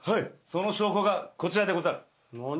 その証拠がこちらでござる。